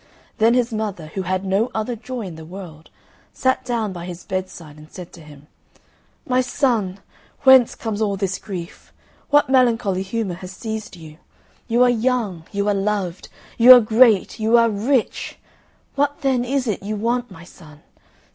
Then his mother, who had no other joy in the world, sat down by his bedside, and said to him, "My son, whence comes all this grief? What melancholy humour has seized you? You are young, you are loved, you are great, you are rich what then is it you want, my son?